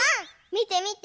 みてみて。